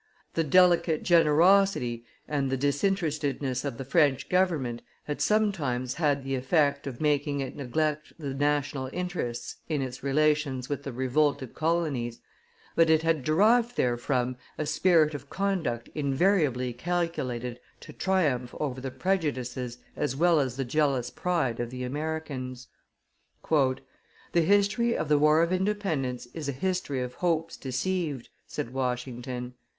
The delicate generosity and the disinterestedness of the French government had sometimes had the effect of making it neglect the national interests in its relations with the revolted colonies; but it had derived therefrom a spirit of conduct invariably calculated to triumph over the prejudices as well as the jealous pride of the Americans. "The history of the War of Independence is a history of hopes deceived," said Washington.